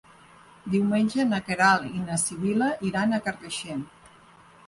Diumenge na Queralt i na Sibil·la iran a Carcaixent.